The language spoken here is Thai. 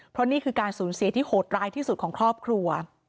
เพราะนี่คือการสูญเสียที่โหดร้ายที่สุดของครอบครัว